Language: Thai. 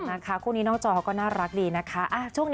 นะคะคู่นี้นอกจอเขาก็น่ารักดีนะคะ